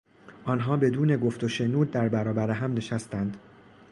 آنها بدون گفت و شنود در برابر هم نشستند.